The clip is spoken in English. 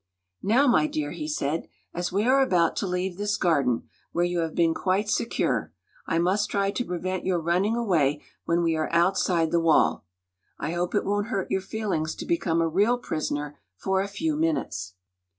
"Now, my dear," he said, "as we are about to leave this garden, where you have been quite secure, I must try to prevent your running away when we are outside the wall. I hope it won't hurt your feelings to become a real prisoner for a few minutes."